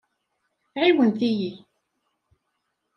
Ɛiwnet-iyi.